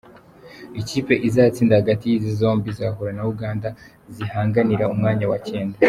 Ikipe izatsinda hagati y’izi zombi izahura na Uganda zihanganira umwanya wa cyenda.